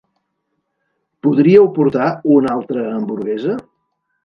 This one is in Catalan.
Podríeu portar una altra hamburguesa?